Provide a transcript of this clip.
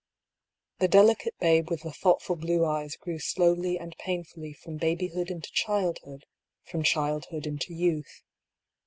The delicate babe with the thoughtful blue eyes grew slowly and painfully from babyhood into child hood, from childhood into youth.